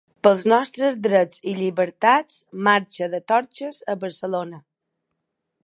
Pels nostres drets i llibertats, marxa de torxes a Barcelona.